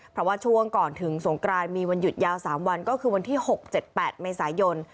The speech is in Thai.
เพราะว่าช่วงก่อนถึงสงกรานมีวันหยุดยาว๓วันก็คือวันที่๖๗๘เมษายน